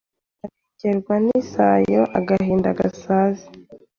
ukarengerwa n’isayo agahinda gasaze.